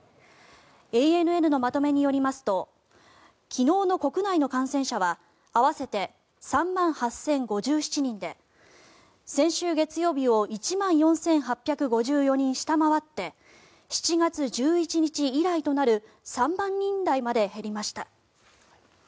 ＡＮＮのまとめによりますと昨日の国内の感染者は合わせて３万８０５７人で先週月曜日を１万４８５４人下回って７月１１日以来となる３万人台まで減りました。